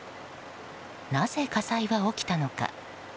なぜ、火災が起きたのか。